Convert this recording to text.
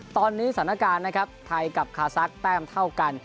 ตอนนี้สถานการณ์นะครับไทยกับคาซักแต้มเท่ากัน